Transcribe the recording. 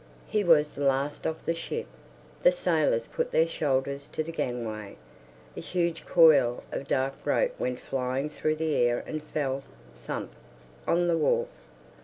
He was the last off the ship. The sailors put their shoulders to the gangway. A huge coil of dark rope went flying through the air and fell "thump" on the wharf.